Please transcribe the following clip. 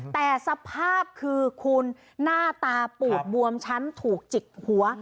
แต่สภาพคือคุณหน้าตาปูดบวมช้ำถูกจิกหัว